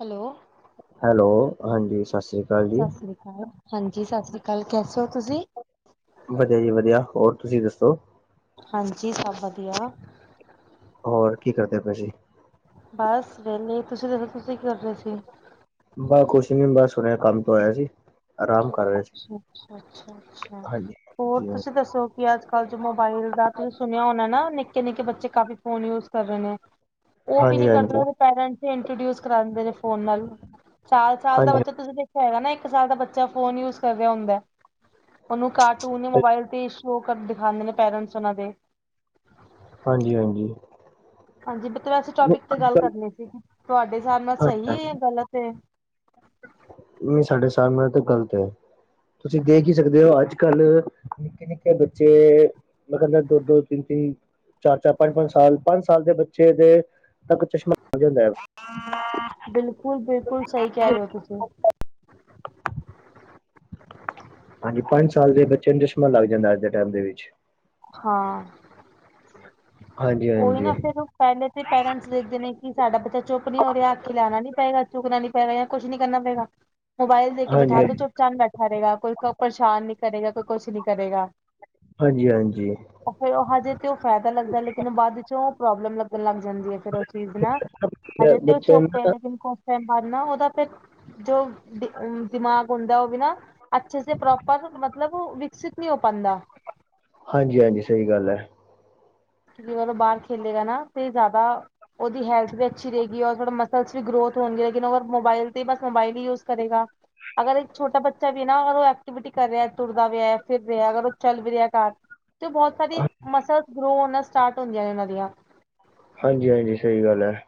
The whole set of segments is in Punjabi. ਹੈਲੋ, ਹੈਲੋ, ਹਾਂਜੀ ਸਤਿ ਸ਼੍ਰੀ ਅਕਾਲ, ਜੀ ਸਤਿ ਸ੍ਰੀ ਅਕਾਲ ਹਾਂਜੀ, ਸਤਿ ਸ੍ਰੀ ਅਕਾਲ, ਕੈਸੇ ਔ ਤੁਸੀਂ? ਵਧੀਆ ਜੀ ਵਧੀਆ, ਹੋਰ ਤੁਸੀਂ ਦੱਸੋ? ਹਾਂਜੀ ਸਭ ਵਧੀਆ, ਹੋਰ ਕੀ ਕਰਦੇ ਪਏ ਸੀ। ਬਸ ਵਿਹਲੇ, ਤੁਸੀਂ ਦੱਸੋ ਤੁਸੀਂ ਕੀ ਕਰਦੇ ਸੀ? ਬਸ ਕੁਛ ਨੀ ਬਸ ਸੁਣਿਆ ਕੰਮ ਤੋਂ ਆਇਆ ਸੀ ਆਰਾਮ ਕਰ ਰਹੇ ਸੀ ਅੱਛਾ, ਅੱਛਾ, ਅੱਛਾ, ਅੱਛਾ, ਹਾਂਜੀ ਹੋਰ ਜੀ ਤੁਸੀਂ ਦੱਸੋ? ਵੀ ਅੱਜ-ਕੱਲ ਜੋ ਮੋਬਾਇਲ ਦਾ ਤੁਸੀਂ ਸੁਣਿਆ ਹੋਣਾ ਨਾ, ਨਿੱਕੇ-ਨਿੱਕੇ ਬੱਚੇ ਕਾਫੀ ਫੋਨ ਯੂਜ ਕਰ ਰਹੇ ਨੇ, ਉਹ ਵੀ ਹਾਂਜੀ ਨੀ ਕਰਦੇ, ਹਾਂਜੀ ਉਹ ਦੇ ਪੇਰੈਂਟਸ ਇੰਟਰੋਡਿਊਸ ਕਰਾ ਦਿੰਦੇ ਨੇ ਫੋਨ ਨਾਲ ਚਾਲ ਸਾਲ ਦਾ ਹਾਂਜੀ ਬੱਚਾ ਤੁਸੀਂ ਦੇਖਿਆ ਹੈਗਾ, ਨਾ ਇੱਕ ਸਾਲ ਦਾ ਬੱਚਾ ਫੋਨ ਯੂਜ ਕਰ ਰਿਹਾ ਹੁੰਦਾ। ਉਹਨੂੰ ਕਾਰਟੂਨ ਮੋਬਾਇਲ ਤੇ ਸ਼ੋ ਕਰ ਦਿਖਾਦੇ ਨੇ ਪੇਰੈਂਟਸ, ਉਹਨਾਂ ਦੇ ਹਾਂਜੀ, ਹਾਂਜੀ, ਹਾਂਜੀ ਮਤਲਬ ਵੈਸੇ ਟੋਪਿਕ ਤੇ ਅੱਜ ਗੱਲ ਕੱਲ ਕਰਨੀ ਸੀ, ਤੁਹਾਡੇ ਹਿਸਾਬ ਨਾਲ ਹਾਂਜੀ ਸਹੀ ਹਾਂਜੀ ਹੈ, ਗਲਤ ਮੀ ਸਾਢੇ ਹਿਸਾਬ ਨਾਲ ਤੋਂ ਗੱਲਤ ਐ, ਤੁਸੀਂ ਦੇਖ ਹੀ ਸਕਦੇ ਹੋ, ਅੱਜ-ਕੱਲ੍ਹ ਨਿੱਕੇ-ਨਿੱਕੇ ਬੱਚੇ ਮਹਾ ਦੋ-ਦੋ ਤਿੰਨ ਚ ਚਾਰ-ਚਾਰ, ਪੰਜ-ਪੰਜ ਸਾਲ ਪੰਜ ਸਾਲ ਦੇ ਬੱਚੇ ਦੇ ਤੱਕ ਚਸ਼ਮਾ ਹੁੰਦਾ ਹੈ। ਹੂੰ, ਬਿਲਕੁਲ, ਬਿਲਕੁਲ, ਬਿਲਕੁਲ ਸਹੀ ਕਹਿ ਰਹੇ ਹੋ ਤੁਸੀਂ ਹਾਂਜੀ ਪੰਜ ਸਾਲ ਦੇ ਬੱਚਿਆਂ ਨੂੰ ਚਸ਼ਮਾ ਲੱਗ ਜਾਂਦਾ, ਅੱਜ ਦੇ ਟਾਈਮ ਦੇ ਵਿੱਚ, ਹਾਂ, ਹਾਂਜੀ ਉਹੀ ਹਾਂਜੀ ਨਾ ਫੇਰ ਪਹਿਲੇ ਤੇ ਪੇਰੈਂਟਸ ਦੇਖਦੇ, ਨੇ ਕਿ ਸਾਡਾ ਬੱਚਾ‌। ਚੁੱਪ ਨੀ ਹੋ ਰਿਹਾ ਆਖੇ ਲਾਣਾ ਨੀ ਪਏਗਾ, ਚੁੱਕਣਾ ਨੀ ਪੈਗਾ ਜਾਂ ਕੁਛ ਨੀ ਕਰਨਾ ਪਏਗਾ, ਮੋਬਾਇਲ ਦੇ ਕੇ ਹਾਂਜੀ ਬਿਠਾ ਦੋ ਹਾਂਜੀ ਚੁੱਪ ਚ ਬੈਠਾ ਰਹੇਗਾ, ਕੋਈ ਪਰੇਸ਼ਾਨ ਨੀ ਕਰੇਗਾ ਕੋਈ ਕੁਛ ਨੀ ਕਰੇਗਾ। ਹਾਂਜੀ ਹਾਂਜੀ ਫੇਰ ਉਹ ਹਜੇ ਤੇ ਉਹ ਫਾਇਦਾ ਲੱਗਦਾ ਲੇਕਿਨ ਬਾਅਦ ਚੋਂ ਪ੍ਰੋਬਲਮ ਲੱਗਣ ਲੱਗ ਜਾਂਦੀ ਹੈ, ਫੇਰ ਉਹ ਚੀਜ਼ ਨਾ ਅ, ਹਜੇ ਤੇ ਉਹ ਬੱਚੇ ਨੂੰ ਨਾ ਚੁੱਪ ਟੈਮ ਬਾਦ ਨਾ ਉਹਦਾ ਫਿਰ ਜੋ ਦਿਮਾਗ ਹੁੰਦਾ ਉਹ ਵੀ ਨਾ, ਅੱਛੇ ਸੇ ਪ੍ਰੋਪਰ ਮਤਲਬ ਵਿਕਸਿਤ ਨਹੀਂ ਹੋ ਪਾਦਾ। ਹਾਂਜੀ-ਹਾਂਜੀ ਸਹੀ ਗੱਲ ਹੈ। ਕਿਉਕਿ ਓਦੋਂ ਬਾਹਰ ਖੇਲੇਗਾ ਨਾ ਤੇ ਜ਼ਿਆਦਾ, ਉਹਦੀ ਹੈਲਥ ਵੀ ਅੱਛੀ ਰਹੇਗੀ, ਰੋੜਾ ਮਸਲਸ ਵੀ ਗਰੋਥ ਹੋਣਗੇ, ਲੇਕਿ ਮੋਬਾਈਲ ਤੇ ਬਸ ਮੋਬਾਈਲ ਹੀ ਯੂਜ ਕਰੇਗਾ। ਅਗਰ ਇੱਕ ਛੋਟਾ ਬੱਚਾ ਵੀ ਨਾ ਅਗਰ ਉਹ ਐਕਟੀਵਿਟੀ ਕਰ ਰਿਹਾ, ਤੁਰਦਾ ਵੀਹਾ ਫਿਰ ਰਿਹਾ ਅਗਰ ਉਹ ਚੱਲ ਵੀ ਰਿਹਾ ਘਰ ਤੇ ਬਹੁਤ ਸਾਰੇ ਮਸਲਸ ਗਰੋ ਹੋ ਨਾਲ ਸਟਾਰਟ ਹੁੰਦੀਆਂ ਨੇ ਉਹਨਾਂ ਦੀਆਂ ਹਾਂਜੀ, ਹਾਂਜੀ ਸਹੀ ਗੱਲ ਹੈ।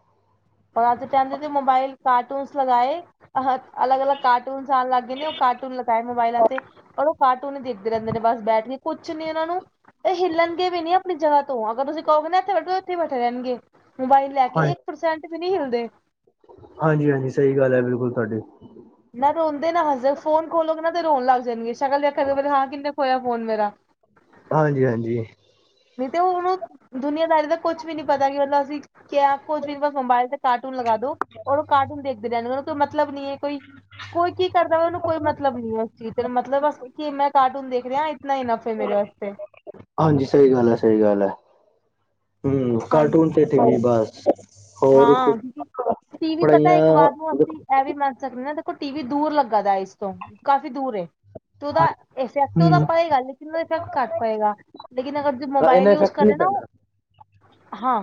ਆਦੇ ਚਦੇ ਤੇ ਮੋਬਾਈਲ ਕਾਰਟੂਨਸ ਲਗਾਏ, ਅ ਅਲਗ-ਅਲਗ ਕਾਰਟੂਨ ਕਾਰਟੂਨ ਸਾਲ ਲੱਗ ਗਏ, ਨੇ ਉਹ ਕਾਰਟੂਨ ਲਗਾਏ ਮੋਬਾਇਲਾਂ ਤੇ ਔਰ ਉਹ ਕਾਰਟੂਨ ਹੀ ਦੇਖਦੇ ਰਹਿੰਦੇ ਨੇ ਬਸ ਬੈਟਰੀ। ਕੁਛ ਨੇ ਇਹਨਾਂ ਨੂੰ ਹਿੱਲਣਗੇ ਵੀ ਨੀ ਆਪਣੀ ਜਗ੍ਹਾ ਅਗਰ ਤੁਸੀਂ ਕਹੋਗੇ, ਨਾ ਇੱਥੇ ਬੈਠੋ ਉੱਥੇ ਬੈਠੇ ਰਹਿਣਗੇ, ਮੋਬਾਈਲ ਲੈ ਕੇ ਹਾਂ ਇੱਕ ਪਰਸੈਂਟ ਵੀ ਨੀ ਹਿਲਦੇ ਹਾਂਜੀ-ਹਾਂਜੀ ਸਹੀ ਗੱਲ ਐ, ਬਿਲਕੁਲ ਤੁਹਾਡੀ ਨਾ ਰੋਂਦੇ ਨਾ ਹਸਦੇ, ਫੋਨ ਖੋਲੋਗੇ ਨਾ ਤੇ ਰੋਣ ਲੱਗ ਜਾਣਗੇ, ਸ਼ਕਲ ਦੇਖ ਹਾਂ ਕਿੰਨੇ ਖੋਇਆ ਫੋਨ ਮੇਰਾ। ਹਾਂਜੀ-ਹਾਂਜੀ। ਨਹੀਂ ਤੇ, ਉਹਨੂੰ ਦੁਨੀਆਂਦਾਰੀ ਦਾ ਕੁਛ ਵੀ ਨਹੀਂ ਪਤਾ, ਕਿ ਮਤਲਬ ਅਸੀਂ ਕਿਆ ਆਪ ਕੁਝ ਬੀ ਬਸ ਮੋਬਾਈਲ ਤੇ ਕਾਰਟੂਨ ਲਗਾ ਦੋ, ਉਹ ਕਾਰਟੂਨ ਦੇਖਦੇ ਰਹਿੰਦੇ, ਕੋਈ ਮਤਲਬ ਨਹੀਂ ਹੈ ਕੋਈ ਕੋਈ ਕੀ ਕਰਦਾ ਵਾ, ਉਹਨੂੰ ਕੋਈ ਮਤਲਬ ਨੀ ਐ, ਉਸ ਚੀਜ਼ ਤੇ, ਮਤਲਬ ਕੀ ਮੈਂ ਕਾਰਟੂਨ ਦੇਖ ਰਿਹਾਂ, ਇਤਨਾ ਹੀ ਈਨਫ ਹੈ, ਮੇਰੇ ਵਾਸਤੇ ਹਾਂਜੀ, ਸਹੀ ਗੱਲ ਐ, ਸਹੀ ਗੱਲ ਐ। ਹੂੰ, ਕਾਰਟੂਨ ਤੇ ਹਾਂਜੀ ਟੀ-ਵੀ ਬਸ, ਹੋਰ ਹਾਂ ਕੁਛ ਕਿਉਂਕਿ ਟੀਵੀ ਪਤਾ ਪੜਾਈਆਂ। ਇੱਕ ਵਾਰ ਨੂੰ ਅਸੀਂ ਦੇਖੋ, ਇਹ ਵੀ ਮੰਨ ਸਕਦੇ ਨਾ ਦੇਖੋ, ਟੀ ਵੀ ਦੂਰ ਲੱਗਾ ਆ ਇਸ ਤੋ, ਕਾਫ਼ੀ ਦੂਰ ਏ। ਤੇ ਉਹਦਾ ਇਫੈਕਟ ਉਹਦਾ ਹਮ ਪਏਗਾ। ਲੇਕਿਨ, ਉਹਦਾ ਇਫੈਕਟ ਘੱਟ ਪਏਗਾ। ਜਿਨਾਂ ਕਰਕੇ ਉਹ ਇੰਨਾ ਮੋਬਾਈਲ ਯੂਜ ਇਫੈਕਟ ਕਰਦੇ ਨਹੀਂ ਨੇ ਨਾ। ਉਹ ਪੈਂਦਾ ਹਾਂ।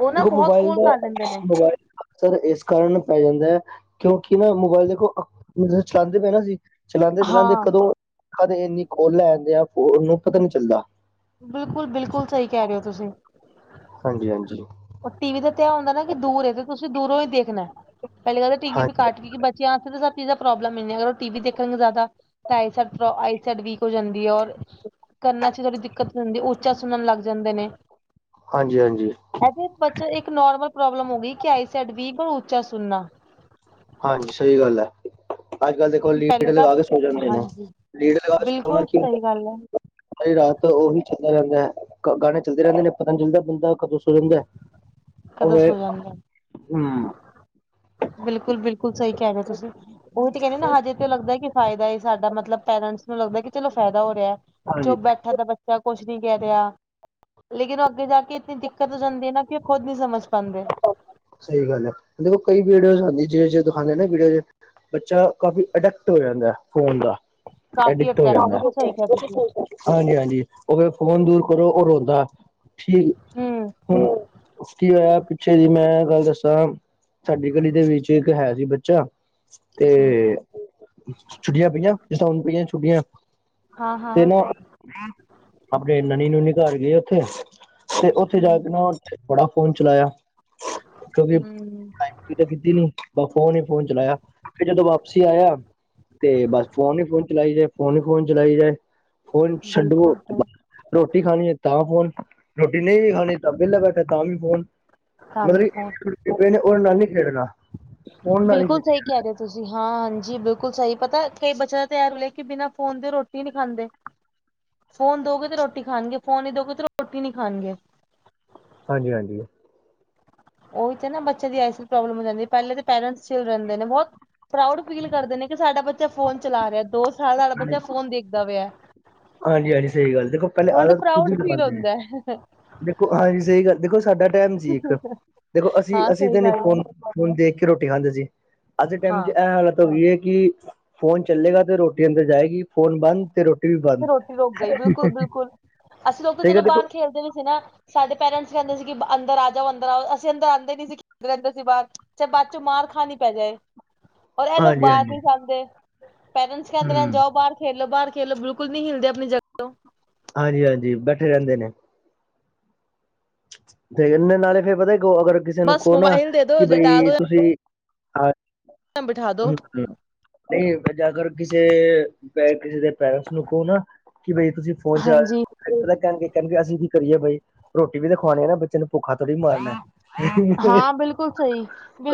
ਉਹ ਨਾ ਦੇਖੋ, ਬਹੁਤ ਮੋਬਾਇਲ ਕੋਲ ਦਾ ਕਰ ਲੈਂਦੇ ਨੇ ਮੋਬਾਇਲ ਅਕਸਰ ਇਸ ਕਾਰਨ ਪੈ ਜਾਂਦਾ ਹੈ। ਕਿਉਕਿ ਨਾ ਮੋਬਾਇਲ ਦੇਖੋ ਚਲੰਦੇ ਪਾਏ ਹਾਂ ਅਸੀ। ਚਲਂਦੇ-ਚਲਂਦੇ ਹਾਂ ਕਦੋ। ਕਦੇ ਇੰਨੀ ਖੋਲ ਲੈ ਜਾਂਦੇ ਆ। ਉਹਨੂੰ ਪਤਾ ਨੀ ਚੱਲਦਾ। ਬਿਲਕੁਲ- ਬਿਲਕੁਲ ਸਹੀ ਕਹਿ ਰਹੇ ਹੋ ਤੁਸੀਂ। ਹਾਂਜੀ- ਹਾਂਜੀ ਉਹ ਟੀ ਵੀ ਦਾ ਧਿਆਨ ਹੁੰਦਾ ਨਾ। ਕਿ ਦੂਰ ਹੈਗਾ ਤੁਸੀਂ ਦੂਰੋਂ ਹੀ ਦੇਖਣਾ। ਪਹਿਲੀ ਗੱਲ ਤਾਂ, ਟੀ-ਵੀ ਹਾਂ ਬੀ ਕੱਟ ਕੀ ਬੱਚਿਆਂ। ਉਸਦਾ ਇਸ ਦਾ ਪ੍ਰੋਬਲਮ ਨੀ ਹੈਗਾ। ਟੀ-ਵੀ ਦੇਖਣ ਗੇ ਜਿਆਦਾ ਤਾ ਆਈਸ ਸੈਡ ਪ੍ਰੋ-ਆਈਸ ਸੈਡ ਵੀਕ ਹੋ ਜਾਂਦੀ ਐ। ਔਰ ਕਨਾਂ ਚ ਥੋੜ੍ਹੀ ਦਿੱਕਤ ਹੋਦੀ ਓ ਉੱਚਾ ਸੁਣਨ ਲੱਗ ਜਾਂਦੇ ਨੇ। ਹਾਂਜੀ-ਹਾਂਜੀ ਆਈ ਥੀਨਕ, ਬੱਚੇ ਇੱਕ ਨੋਰਮਲ ਪ੍ਰੋਬਲਮ ਹੋ ਗਈ। ਕਿ, ਆਈ ਸੈਡ ਵੀਕ ਔਰ ਉੱਚਾ ਸੁਣਨਾ। ਹਾਂਜੀ। ਸਹੀ ਗੱਲ ਐ। ਅੱਜ ਕੱਲ੍ਹ ਦੇਖੋ, ਕਿਉਂਕਿ ਲੀਡ ਪਹਿਲੇ ਤਾਂ ਲਗਾ ਕੇ ਸੋ ਜਾਂਦੇ ਅਨਾ। ਹਾਂਜੀ ਲੀਡ ਲਗਾ ਕੇ ਸੋਣ ਬਿਲਕੁਲ ਨਾਲ ਕੀ ਹੁੰਦਾ। ਸਹੀ ਗੱਲ ਹੈ ਸਾਰੀ ਰਾਤ ਉਹ ਵੀ ਚੱਲਦਾ ਰਹਿੰਦਾ ਐ। ਗਾਣੇ ਚੱਲਦੇ ਰਹਿੰਦੇ ਨੇ, ਪਤਾ ਨਹੀਂ ਚੱਲਦਾ ਬੰਦਾ। ਕਦੋਂ ਸੋ ਜਾਂਦਾ ਐ। ਕਦੋਂ ਉਵੇ ਸੋ ਜਾਂਦਾ। ਹੂੰ। ਬਿਲਕੁਲ -ਬਿਲਕੁਲ ਸਹੀ ਕਹਿ ਰਹੇ ਤੁਸੀਂ। ਉਹੀ ਤੇ ਕਹਿੰਦੇ ਨਾ ਹਜੇ ਤੇ ਲੱਗਦਾ ਕੀ, ਫਾਇਦਾ ਏ ਸਾਡਾ‌। ਮਤਲਬ ਪੇਰਟਸ ਨੂੰ ਲੱਗਦਾ ਕੀ ਚਲੋ ਫ਼ਾਇਦਾ ਹੋ ਰਿਹਾ। ਚਲ ਹਾਂਜੀ ਬੈਠਾ ਤਾਂ ਬੱਚ ਜਾਂ ਕੁਛ ਨੀ ਕਹਿ ਰਿਹਾ। ਲੇਕਿਨ ਅੱਗੇ ਜਾ ਕੇ ਇਨੀ ਦਿੱਕਤ ਹੋ ਜਾਂਦੀ ਹੈ ਨਾ ਕੀ ਖੁਦ ਨ ਨਹੀਂ ਸਮਝ ਪਾਂਦੇ। ਸਹੀ ਗੱਲ ਐ। ਦੇਖੋ ਕਈ ਵੀਡੀਓਜ਼ ਆਂਦੀ। ਜਿਵੇਂ-ਜਿਵੇ ਦਿਖਾਉਂਦੇ ਨਾ ਵੀਡੀਉ ਚ' ਬੱਚਾ ਕਾਫੀ ਅਡੈਕਟ ਹੋ ਜਾਂਦਾ ਐ ਫੋਨ ਦਾ। ਕਾਫੀ ਅਡਿਕਟ ਹੋ ਅਟਰੈਕਟ ਜਾਂਦਾ ਬਿਲਕੁਲ ਸਹੀ ਕਿਹਾ ਤੁਸੀਂ ਐ। ਹਾਂਜੀ ਹਾਂਜੀ। ਉਹ ਫੇਰ ਫੋਨ ਦੂਰ ਕਰੋ ਉਹ ਰੋਂਦਾ। ਠੀਕ। ਹੂੰ। ਹੂੰ, ਕੀ ਹੋਇਆ, ਪਿੱਛੇ ਸੀ ਮੈਂ ਗੱਲ ਦੱਸਾਂ। ਸਾਡੀ ਗਲੀ ਦੇ ਵਿੱਚ ਇੱਕ ਹੈ ਸੀ ਬੱਚਾ। ਤੇ ਜੀ ਜੀ ਛੁੱਟੀਆਂ ਪਈਆਂ। ਜਿਸ ਹਿਸਾਬ ਨਾਲ ਪਈਆਂ ਛੁੱਟੀਆਂ, ਹਾਂ ਹਾਂ ਤੇ ਨਾ ਆਪਣੇ ਨਾਨੀ- ਨੂਨੀ ਘਰ ਗਏ ਉੱਥੇ? ਤੇ ਉੱਥੇ ਜਾ ਹੂੰ ਕੇ ਨਾ, ਉਥੇ ਬੜਾ ਫੋਨ ਚਲਾਇਆ। ਕਿਹਦੀ ਹੂੰ ਕਿਥੇ ਜੀਂਦੀ ਐ। ਤਾ ਫੋਨ ਹੀ ਫੋਨ ਚਲਾਇਆ। ਫੇਰ ਜਦੋਂ ਵਾਪਸੀ ਆਇਆ। ਤੇ, ਬਸ ਫੋਨ ਹੀ ਫੋਨ ਚਲਾਈ ਜਾਏ। ਫੋਨ ਹੀ ਫੋਨ ਚਲਾਈ ਜਾਏ। ਫੋਨ ਛੱਡਵ ਬਿਲਕੁਲ ਤੇ ਬ ਹੂੰ ਰੋਟੀ ਖਾਣੀ ਹੈ ਤਾਂ ਫੋਨ। ਰੋਟੀ ਨਹੀਂ ਵੀ ਖਾਣੀ ਤਾਂ ਵਿਹਲਾ ਬੈਠਾ, ਤਾਂ ਵੀ ਫੋਨ ਤਾਂ ਵੀ ਮਤਲਬ ਫੋਨ। ਪਏ ਨੇ ਉਹਦੇ ਨਾਲ ਨਹੀਂ ਖੇਡਣਾ। ਉਹਣ ਨਾਲ ਹੀ ਬਿਲਕੁਲ ਸਹੀ ਖੇਡ ਕਹਿ ਰਹੇ ਹੋ ਤੁਸੀਂ ਹਾਂ ਹਾਂਜੀ, ਬਿਲਕੁਲ ਸਹੀ। ਪਤਾ ਕਈ ਬੱਚਿਆਂ ਦਾ ਤਾਂ ਹੈ ਲੈ ਕੇ ਬਿਨਾ ਫੋਨ ਤੇ ਰੋਟੀ ਨਹੀਂ ਖਾਂਦੇ। ਫੋਨ ਦੋਗੇ ਤੇ ਰੋਟੀ ਖਾਣਗੇ, ਫੋਨ ਨੀਂ ਦੋਗੇ ਤੇ ਰੋਟੀ ਨੀ ਖਾਣਗੇ। ਹਾਂਜੀ-ਹਾਂਜੀ। ਓ ਤੇ ਨਾ ਬੱਚਿਆਂ ਦੀ ਆਈਜ ਦੀ ਪ੍ਰੋਬਲਮ ਹੋ ਜਾਂਦੀ ਐ, ਪਹਿਲੇ ਪੇਰੈਂਟਸ ਚਿਲ ਰਹਿੰਦੇ ਨੇ ਬਹੁਤ ਪ੍ਰਾਉਡ ਫੀਲ ਕਰਦੇ ਨੇ ਕਿ ਸਾਡਾ ਬੱਚਾ ਫੋਨ ਚਲਾ ਰਿਹਾ, ਦੋ ਸਾਲ ਆਲਾ ਬੱਚਾ ਫੋਨ ਦੇਖਦਾ ਪਿਆ। ਹਾਂਜੀ-ਹਾਂਜੀ, ਸਹੀ ਗੱਲ ਏ। ਦੇਖੋ ਪਹਿਲੇ ਉਹਨਾਂ ਨੂੰ ਆਦਤ ਖੁਦ ਪ੍ਰਾਊਡ ਹੀ ਫੀਲ ਲਗਾਦੇ ਨੇ। ਹੁੰਦਾ ਹੈ। ਦੇਖੋ ਹਾਂਜੀ ਸਹੀ ਗੱਲ। ਦੇਖੋ ਸਾਡਾ ਟਾਈਮ ਸੀ ਇੱਕ, ਦੇਖੋ ਅਸੀਂ, ਹਾਂ ਅਸੀਂ ਸਹੀ ਤੇ ਨਹੀਂ ਗੱਲ ਹੈ ਫੋਨ ਹੁਣ ਦੇਖ ਕੇ ਰੋਟੀ ਖਾਂਦੇ ਸੀ, ਅੱਜ ਦੇ ਟਾਈਮ ਚ' ਹਾਂ ਇਹ ਹਾਲਤ ਹੋ ਗਈ ਹੈ। ਕਿ ਫੋਨ ਚੱਲੇਗਾ ਤੇ ਰੋਟੀ ਅੰਦਰ ਜਾਏਗੀ, ਫੋਨ ਬੰਦ ਤੇ ਰੋਟੀ ਵੀ ਬੰਦ। ਰੁੱਕ ਗਈ, ਬਿਲਕੁਲ- ਬਿਲਕੁਲ। ਅਸੀਂ ਲੋਕ ਤਾਂ ਠੀਕ ਚਲੋ ਹੈ ਦੇਖੋ ਬਾਹਰ ਖੇਲਦੇ ਵੀ ਸੀ ਨਾ। ਸਾਡੇ ਪੇਰੈਂਟਸ ਕਹਿੰਦੇ ਸੀ ਕਿ ਅੰਦਰ ਆ ਜਾਓ, ਅੰਦਰ ਆਓ। ਅਸੀਂ ਅੰਦਰ ਆਉਂਦੇ ਨੀ ਸੀ, ਘੁੰਮਦੇ ਰਹਿੰਦੇ ਸੀ ਬਾਹਰ। ਚਾਹੇ ਬਾਅਦ ਚੋਂ ਮਾਰ ਖਾਣੀ ਪੈ ਜਾਏ। ਔਰ ਇਹ ਲੋਕ ਹਾਂਜੀ ਬਾਹਰ ਹਾਂਜੀ ਨੀ ਜਾਂਦੇ। ਪੇਰੈਂਟਸ ਕਹਿੰਦੇ ਰੈਂਦੇ ਹਮ ਜਾਓ ਬਾਹਰ ਖੇਲੋ, ਬਾਹਰ ਖੇਲ। ਖੇਲੌ, ਬਿਲਕੁਲ ਨਹੀਂ ਹਿਲਦੇ ਆਪਣੀ ਜਗਾ ਹਾਂਜੀ ਹਾਂਜੀ, ਬੈਠੇ ਰਹਿੰਦੇ ਨੇ ਤੇ ਇਹਦੇ ਨਾਲੇ ਫੇਰ ਪਤਾ ਕਹੋ। ਅਗਰ ਕਿਸੇ ਨੂੰ ਬਸ ਕਹੋ ਨਾ ਮੋਬਾਇਲ ਦੇ ਦੋ ਕੀ ਲਿਟਾ ਬਈ ਦੋ ਤੁਸੀਂ ਹਾਂ, ਜਾਂ ਬਿਠਾ ਦੋ ਹੂੰ-ਹੂੰ ਨਹੀਂ ਜਾ ਕਰ, ਕਿਸੇ ਬੈਕ ਕਿਸੇ ਦੇ ਪੇਰੈਂਟਸ ਨੂੰ ਕਹੋ ਨਾ। ਕਿ ਬਈ ਤੁਸੀਂ ਫੋਨ ਚਲਾ ਹਾਂਜੀ ਰਿਹਾ। ਫੇਰ ਪਤਾ ਕਹਿਣਗੇ-ਕਹਿਣਗੇ ਅਸੀਂ ਕੀ ਕਰੀਏ ਬਾਈ ਰੋਟੀ ਵੀ ਖਵਾਣੀ ਐ। ਨਾ ਬੱਚੇ ਨੂੰ, ਭੁੱਖਾ ਥੋੜੀ ਮਾਰਨਾ। ਹੈ। ਹਾਂ ਬਿਲਕੁਲ ਸਹੀ,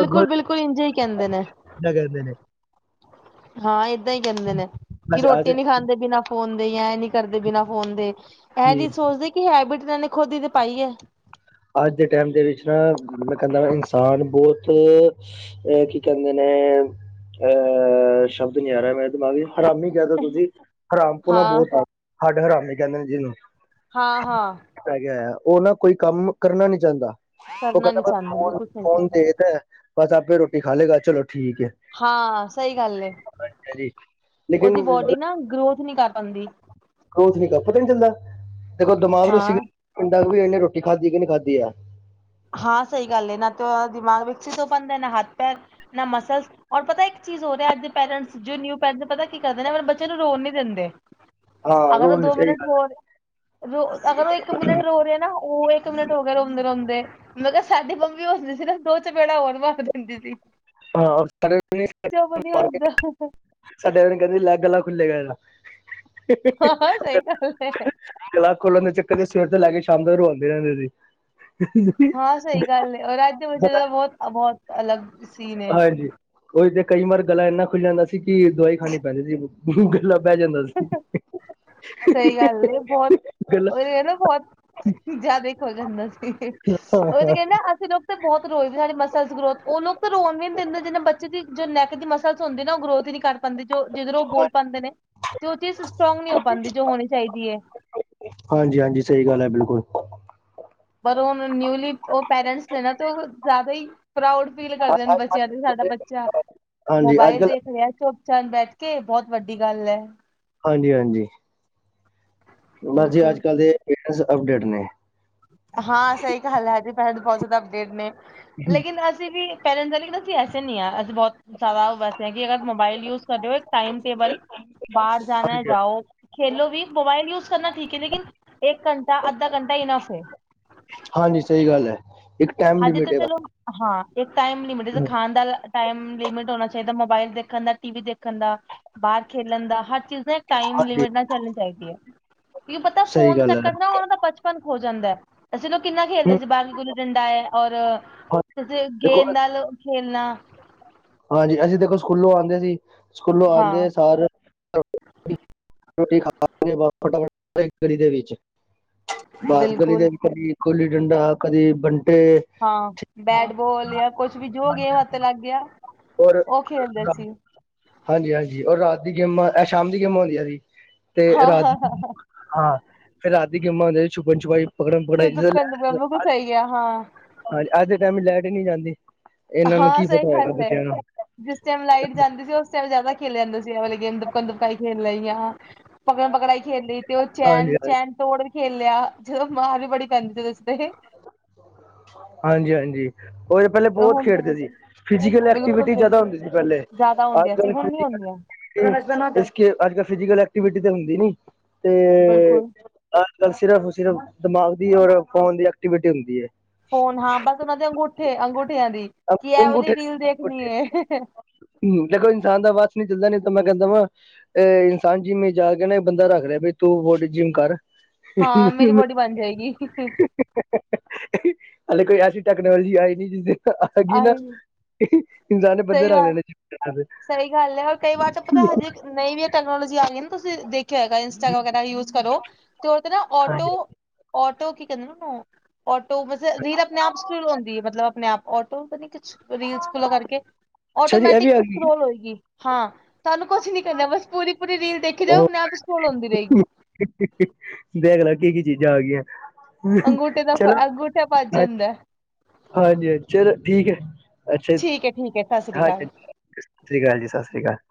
ਅੱਗੋਂ ਬਿਲਕੁਲ ਇੰਝੇ ਹੀ ਕਹਿੰਦੇ ਨੇ, [unintelligible] ਹਾਂ, ਏਦਾਂ ਹੀ ਕਹਿੰਦੇ ਨੇ, ਕਿ ਬਸ ਅੱਜ ਰੋਟੀ ਨੀ ਖਾਂਦੇ ਬਿਨਾਂ ਫੋਨ ਦੇ ਜਾਂ ਇਹ ਨੀ ਕਰਦੇ ਬਿਨਾਂ ਫੋਨ ਦੇ। ਇਹ ਤੇ ਨਹੀ ਸੋਚਦੇ ਕਿ ਹੈਬਿਟ ਤੇ ਇਹਨਾਂ ਨੇ ਖੁਦ ਹੀ ਤੇ ਪਾਈਏ। ਅੱਜ ਦੇ ਟਾਈਮ ਦੇ ਵਿੱਚ ਨਾ, ਮੈਂ ਕਹਿੰਦਾ ਇਨਸਾਨ ਬਹੁਤ ਅ ਕੀ ਕਹਿੰਦੇ ਨੇ, ਅਹ ਸ਼ਬਦ ਨੀ ਆ ਰਿਹਾ ਮੇਰੇ ਦਿਮਾਗ ਚ, ਹਰਾਮੀ ਕਹਿ ਦੋ ਤੁਸੀਂ, ਹਰਾਮਪੂਣਾ ਹਾਂ ਬਹੁਤ ਆ। ਹੱਡ ਹਰਾਮੀ ਕਹਿੰਦੇ ਨੇ ਜਿਨੂੰ। ਹਾਂ-ਹਾਂ। ਪੈ ਗਿਆ ਹੋਇਆ, ਉਹ ਨਾ ਕੋਈ ਕੰਮ ਕਰਨਾ ਨੀ ਚਾਂਦਾ। ਉਹ ਕਰਨਾ ਕਹਿੰਦਾ ਨੀ ਬਸ ਚਾਹੁੰਦਾ ਮੈਂ ਫੋਨ, ਕੁਛ ਨਹੀਂ ਫੋਨ ਕਰ ਦੇ ਤਾਂ, ਬਸ ਆਪੇ ਰੋਟੀ ਖਾ ਲਏਗਾ, ਚਲੋ ਠੀਕ ਏ। ਹਾਂ, ਸਹੀ ਗੱਲ ਏ, ਜੀ ਲੇਕਿਨ ਉਹਦੀ ਬੋਡੀ ਨਾ ਗ੍ਰੋਥ ਨਹੀਂ ਕਰ ਪਾਂਦੀ। ਗ੍ਰੋਥ ਨੀ ਕਰ, ਪਤਾ ਨੀ ਚੱਲਦਾ। ਦੇਖੋ ਦਿਮਾਗ ਨੂੰ ਹਾਂ ਸਿਗਨਲ ਨੀ ਮਿਲ਼ਦਾ, ਇਹਨੇ ਰੋਟੀ ਖਾਧੀ ਕਿ ਨਹੀਂ ਖਾਧੀ ਆ। ਹਾਂ, ਸਹੀ ਗੱਲ ਏ ਨਾ ਤੇ ਓਦਾ ਦਿਮਾਗ ਵਿਕਸਿਤ ਹੋ ਪਾਂਦੇ, ਨਾ ਹੱਥ ਪੈਰ, ਨਾ ਮਸਲ ਔਰ ਪਤਾ ਇੱਕ ਚੀਜ਼ ਹੋਰ ਐ, ਅੱਜ ਦੇ ਪੇਰੈਂਟਸ, ਜੋ ਨਿਊ ਪੇਰੈਂਟਸ ਨੇ, ਪਤਾ ਕੀ ਕਰਦੇ ਨੇ, ਆਪਣੇ ਬੱਚਿਆਂ ਨੂੰ ਰੋਣ ਨੀ ਦਿੰਦੇ। ਹਾਂ ਅਗਰ ਉਹ ਰੋਣ ਦੋ ਮਿੰਟ ਹੋਰ ਰੋ, ਅਗਰ ਉਹ ਇੱਕ ਇੱਕ ਮਿੰਟ ਰੋ ਰਹਾ ਨਾ, ਉਹ ਇੱਕ ਮਿੰਟ ਹੋ ਗਿਆ ਰੋਂਦੇ-ਰੋਂਦੇ। ਮਗਰ ਸਾਡੀ ਮੰਮੀ ਹੁੰਦੀ ਸੀ ਨਾ, ਦੋ ਚਪੇੜਾਂ ਹੋਰ ਮਾਰ ਦਿੰਦੀ ਸੀ। ਹਾਂ [unintelligible] ਚੁੱਪ ਨੀ ਹੁੰਦਾ ਸਾਡੇ ਆਲ਼ੇ ਕਹਿੰਦੇ ਸੀ, ਲੈ ਗਲਾ ਖੁੱਲੇਗਾ ਐਦਾ। ਹਾਂ- ਹਾਂ, ਸਹੀ ਗੱਲ ਏ। ਗਲਾ ਖੋਲਣ ਦੇ ਚੱਕਰ ਚ ਸਵੇਰ ਤੋਂ ਲੈ ਕੇ ਸ਼ਾਮ ਤੱਕ ਰੋਂਦੇ ਰਹਿੰਦੇ ਸੀ। ਹਾਂ, ਸਹੀ ਗੱਲ ਏ। ਔਰ ਅੱਜ [unintelligible] ਬਹੁਤ ਬਹੁਤ ਅਲੱਗ ਸੀਨ ਹੈ ਹਾਂਜੀ, ਓ ਤੇ ਕਈ ਵਾਰ ਗਲਾ ਇੰਨਾ ਖੁੱਲ ਜਾਂਦਾ ਸੀ ਕਿ ਦਵਾਈ ਖਾਣੀ ਪੈਂ ਜਾਂਦੀ ਸੀ। ਲੱਭਿਆ ਜਾਂਦਾ [unintelligible] ਸਹੀ ਗੱਲ ਏ, ਬਹੁਤ ਗਲਾ ਉਹ ਨਾ ਬਹੁਤ ਜ਼ਿਆਦਾ ਈ ਖੁੱਲ੍ਹ ਜਾਂਦਾ ਸੀ। ਹਾਂ ਉਹ ਤੇ ਹਾਂ ਕਹਿੰਦਾ ਅਸੀਂ ਲੋਕ ਬਹੁਤ ਰੋਈਦੇ, ਸਾਡੀ ਮਸਲਸ ਗ੍ਰੋਥ। ਉਹ ਲੋਕ ਤਾਂ ਰੋਨ ਵੀ ਨੀ ਦਿੰਦੇ, ਜਿੰਨਾ ਬੱਚੇ ਦੀ ਜੋ ਨੈਕ ਦੇ ਮਸਲਸ ਹੁੰਦੇ ਨਾ ਉਹ ਗਰੋਥ ਹੀ ਨੀ ਕਰ ਪਾਂਦੇ ਜੋ, ਜਿਧਰ ਉਹ ਬੋਲ ਪਾਉਂਦੇ ਨੇ ਤੇ ਉਹ ਚੀਜ਼ ਸਟਰੋਂਗ ਨਹੀਂ ਹੋ ਪਾਂਦੀ ਜੋ ਹੋਣੀ ਚਾਹੀਦੀ ਹੈ। ਹਾਂਜੀ-ਹਾਂਜੀ, ਸਹੀ ਗੱਲ ਐ ਬਿਲਕੁਲ। ਪਰ ਉਹ ਨਿਊਲੀ ਉਹ ਪੈਰੈਂਟਸ ਨੇ ਨਾ ਜ਼ਿਆਦਾ ਹੀ। ਪ੍ਰਾਊਡ ਫੀਲ ਕਰਦੇ ਨੇ ਬੱਚਿਆਂ ਤੇ ਸਾਡਾ ਬੱਚਾ ਹਾਂਜੀ ਅੱਜ ਮੋਬਾਇਲ ਕੱਲ ਦੇਖ ਰਿਹਾ ਚੁ ਬੈਠ ਕੇ ਬਹੁਤ ਵੱਡੀ ਗੱਲ ਐ। ਹਾਂਜੀ ਹਾਂਜੀ ਬਸ ਜੀ, ਅੱਜ ਬਿਲਕੁਲ ਕੱਲ ਦੇ ਪੇਰਸ ਅਪਡੇਟ ਨੇ। ਹਾਂ, ਸਹੀ ਗੱਲ ਐ ਜੀ ਪੈਲ ਬਹੁਤ ਜ਼ਿਆਦਾ ਅਪਡੇਟ ਨੇ ਲੇਕਿਨ ਅਸੀਂ ਵੀ [unintelligible] ਅਸੀਂ ਐਸੇ ਨਹੀਂ ਆ ਅਸੀਂ ਬਹੁਤ ਜ਼ਿਆਦਾ ਉਹ ਵੈਸੇ ਕਿ ਅਗਰ ਮੋਬਾਇਲ ਯੂਜ ਕਰ ਰੇ ਹੋ। ਟਾਈਮ ਟੇਬਲ ਬਾਹਰ ਜਾਣਾ ਜਾਓ। ਖੇਲੋ ਵੀ ਮੋਬਾਈਲ ਯੂਜ ਕਰਨਾ ਠੀਕ ਐ ਲੇਕਿਨ ਇੱਕ ਘੰਟਾ ਅੱਧਾ ਘੰਟਾ ਇਨਅਫ ਹੈ। ਹਾਂਜੀ, ਸਹੀ ਗੱਲ ਐ ਇੱਕ ਟਾਈਮ ਹਜੇ ਲਿਮਿਟ ਤਾਂ ਏ ਚਲੋ ਹਾਂ ਇੱਕ ਟਾਈਮ ਲਿਮਿਟ ਬਸ, ਖਾਣ ਦਾ। ਟਾਈਮ ਲਿਮਿਟ ਹੋਣਾ ਚਾਹੀਦਾ ਮੋਬਾਇਲ ਦੇਖਣ ਦਾ ਟੀ ਵੀ ਦੇਖਣ ਦਾ ਬਾਹਰ ਖੇਲਣ ਦਾ ਹਰ ਟਾਈਮ ਹਾਂਜੀ ਲਿਮਿਟ ਨਾਲ ਚੱਲਣੀ ਚਾਹੀਦੀ ਹੈ ਕਿ ਪਤਾ ਸਹੀ ਫੋਨ ਗੱਲ ਐ, ਚੱਕਰ ਨਾ ਉਹ ਦਾ ਬੰਦ ਹੋ ਜਾਂਦਾ। ਅਸੀਂ ਓਦੋਂ ਕਿੰਨਾ ਖੇਡਦੇ ਹੂੰ ਸੀ ਬਾਹਰ ਨਿਕਲ ਕੇ। ਹੈ, ਔਰ [inaudible] ਦੇਖੋ ਗੇਂਦ ਨਾਲ ਖੇਲਣਾ ਹਾਂਜੀ ਅਸੀਂ ਦੇਖੋ ਸਕੂਲੋਂ ਆਂਦੇ ਸੀ, ਸਕੂਲੋਂ ਆਂਦੇ ਹਾਂ ਸਾਰ ਰੋਟੀ ਖਾ [inaudible] ਫਟਾਫਟ [unintelligible] ਦੇ ਵਿੱਚ ਬੱਸ ਗਲੀ ਬਿਲਕੁਲ ਦੇ ਵਿੱਚ ਕਦੇ ਗੁੱਲੀ ਡੰਡਾ ਕਦੀ ਬੰਟੇ ਹਾਂ, ਬੈਟਬੋਲ ਯਾ ਕੁਛ ਵੀ, ਜੋ ਗੇਮ ਹੱਥ ਲੱਗ ਗਿਆ। ਹੋਰ ਉਹ ਖੇਲਦੇ [unintelligible] ਸੀ ਹਾਂਜੀ-ਹਾਂਜੀ, ਔਰ ਰਾਤ ਦੀ ਗੇਮਾਂ, ਇਹ ਸ਼ਾਮ ਦੀ ਗੇਮਾਂ ਹੁੰਦੀਆਂ ਸੀ, ਤੇ ਹਾਂ ਰਾਤ ਹਾਂ ਹਾਂ ਹਾਂ ਹਾਂ ਫਿਰ ਰਾਤ ਦੀ ਗੇਮਾ ਹੁੰਦੀਆਂ ਛੁਪਨ ਛੁਪਾਈ ਦੁਪਕਨ ਦੁਪਕਨ ਬਿਲਕੁ ਸਹੀ ਗਿਆ ਹਾਂ ਹਾਂਜੀ ਅੱਜ ਦੇ ਟਾਈਮ ਲਾਈਟ ਹੀ ਨਹੀਂੀ ਜਾਂਦੀ ਇਹਨਾਂ ਨੂੰ ਹਾਂ ਕੀ ਸਹੀ ਪਤਾ ਹੋਏਗਾ ਬ ਗੱਲ ਹੈ ਜਿਸ ਟਾਈਮ ਲਾਈਟ ਜਾਂਦੀ ਸੀ ਉਸ ਟਾਈਮ ਜ਼ਿਆਦਾ ਖੇਲ ਜਾਂਦਾ ਸੀ ਵਾਲਲੇ ਗੇਮ ਦੁਪਕਣ ਦੁਪਕਾਈ ਖੇਲ ਲਈਹੀ ਆ ਪਕੜ ਪਗੜ ਹੀ ਖੇਡ ਲਈ ਤੇ ਉਹ ਚੈਨ ਹਾਂਜੀ ਹਾਂਜੀ ਚੈਨ ਤੋੜ ਵੀ ਖੇਡ ਲਿਆ ਜਦੋਂ ਮਾਰ ਵੀ ਬੜੀ ਕਹਿੰਦੇ ਦੱਸਦੇ ਹਾਂਜੀ ਹਾਂਜੀ ਉਹ ਪਹਿਲੇ ਬਹੁਤ ਹੁਣ ਖੇਡਦੇ ਤੇ ਸੀ ਫਿਜੀਕਲ ਐਕਟੀਵਿਟੀ ਬਿਲਕੁਲ ਜ਼ਿਆਦਾ ਹੁੰਦੀ ਸੀ ਪਹਿਲੇ ਜ਼ਿਆਦਾ ਹੁੰਦੀਆਂ ਅੱਜ ਸੀ ਕੱਲ ਹੁਣ ਨੀ ਹੁੰਂਦੀਆਂ ਫਿਜ਼ੀਕਲ ਅੱਜ ਕਲ ਫਿਜ਼ਕਲ ਐਕਟੀਵਿਟੀ ਤੇ ਹੁੰਦੀ ਨੀ ਤੇ ਬਿਲਕੁਲ ਅਜ ਕੱਲ ਸਿਰਫ ਸਿਰਫ ਦਿਮਾਗ ਦੀ ਔਰ ਫੋਨ ਦੀ ਐਕਟੀਵਿਟੀ ਹੁੰਦੀ ਹੈ ਫੋਨ ਹਾਂ ਬਸ ਉਹਨਾਂ ਦੇ ਅੰਗੂਠੇ ਅੰਗੂਠਿਆਂ ਦੀ ਕੀ ਐ ਉਹੀ ਰੀਲ ਦੇਖਣੀ ਹੈ ਹਮ ਦੇਖੋ ਇਨਸਾਨ ਦਾ ਵਵਾਸ ਨੀ ਚੱਲਦਾ ਨ ਤਾਂ ਮੈਂ ਕਹਿੰਦਾ ਵਾ ਇਹ ਇਨਸਾਨ ਜਿੰਮ ਜਾ ਕੇ ਨਾ ਬੰਦਾ ਰੱਖ ਰਿਹਾ ਬਈ ਤੂੰ ਬੋਡੀ ਜਿੰਮ ਕਰ ਹਾਂ ਮੇਰੀ ਬੋਡੀ ਬਣ ਜਾਏਗੀ ਹਾਲੇ ਕੋਈ ਐਸੀ ਟੈਕਨੋਲੋਜੀ ਆਈ ਨੀ ਜਿਸਦੇ ਆ ਗ ਨਾ ਆਹੀ ਇਨਸਾਨ ਨੇ ਬੰਧੇ ਸਹੀ ਰਗ ਬਾਤ ਲੈਣੇ ਚ ਸਹੀ ਗੱਲ ਹੈ ਰ ਕਈ ਵਾਰ ਤਾਂ ਪਤਾ ਹਜੇ ਨਈ ਵੀ ਟੈਕਨੋਲੋਜੀ ਆ ਗਈ ਤੁਸੀਂ ਦੇਖਿ ਹੈਗਾ ਇੰਸਟਾ ਵਗੈਰਾ ਯੂਜ ਕਰੋ ਤੇ ਨਾ ਆਟੋ ਹਾਂਜੀ ਟੋ ਕੀ ਕਦੇ ਟੋ ਮੈਸ ਰੀਰ ਆਪਣੇ ਆਪ ਸ਼ੁਰੂ ਹੁੰਦੀ ਹੈ ਮਤਲਬ ਆਪਣੇ ਆਪ ਆਟੋ ਨੀ ਰੀਲ ਖੁਲਾ ਕਰਕੇ ਅੱਛਾ ਜੀ ਇਹ ਵੀ ਆਟੋਮੈਟਿਕ ਆ ਗਈ ਲ ਹੋਏਗੀ ਹਾਂ ਤੁਹਾਨੂੰ ਕੁਛ ਨੀ ਕਹਦੇ ਬਸ ਪੂਰੀ ਪੂਰੀ ਰੀਲ ਦੇਖੀ ਲਓ ਆਪ ਸੋਲ ਹਉਂਦੀ ਰਹੇਗੀ ਬੈਗ ਲ ਕੀ ਕੀ ਚੀਜ਼ਾਂ ਆ ਗਈਆਂ ਅੰਗੂਠੇ ਦਾ ਚਲੋ ਅੰਗੂਠਾ ਭੱਜ ਅੱ ਜਾਂਦਾ ਹਾਂਜੀ ਹਾਂਜੀ ਚਲੋ ਠੀਕ ਹੈ ਅੱਛਾ ਠੀਕ ਹੈ ਠੀਕ ਹੈ ਸਤਿ ਸ੍ਰੀ ਅਕਾਲ ਹਾਂਜੀ ਸਤਿ੍ਰੀ ਅਕਾਲ ਜੀ ਸਤਿ ਸ਼੍ਰੀ ਅਕਾਲ